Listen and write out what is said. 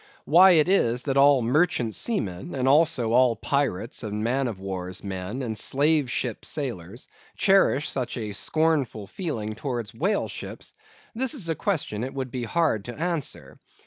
Why it is that all Merchant seamen, and also all Pirates and Man of War's men, and Slave ship sailors, cherish such a scornful feeling towards Whale ships; this is a question it would be hard to answer.